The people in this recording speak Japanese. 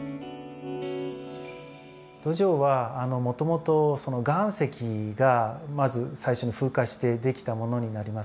土壌はもともとその岩石がまず最初に風化して出来たものになります。